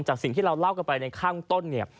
สิ่งที่เราเล่ากันไปในข้างต้นเนี่ย